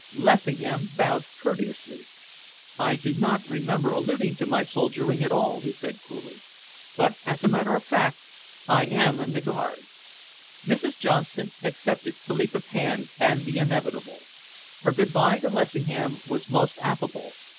Lessingham bowed courteously. "I do not remember alluding to my soldiering at all," he said coolly, "but as a matter of fact I am in the Guards." Mrs. Johnson accepted Philippa's hand and the inevitable. Her good by to Lessingham was most affable.